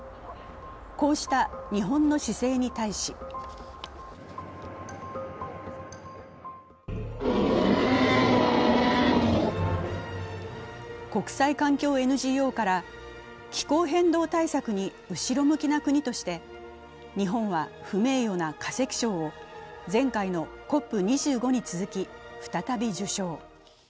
こうした日本の姿勢に対し国際環境ＮＧＯから気候変動対策に後ろ向きな国として日本は不名誉な化石賞を前回のＣＯＰ２５に続き再び受賞。